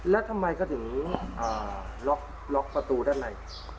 แล้วทำไมเขาถึงล็อกประตูด้านใน